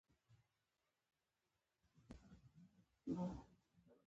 پکتيا غرونه په ژمی کی واورو پوښلي وی